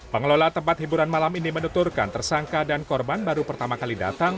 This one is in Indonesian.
pengelola tempat hiburan malam ini menuturkan tersangka dan korban baru pertama kali datang